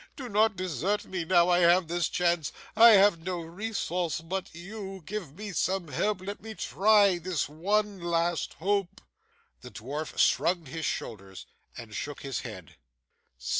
Do not desert me, now I have this chance. I have no resource but you, give me some help, let me try this one last hope.' The dwarf shrugged his shoulders and shook his head.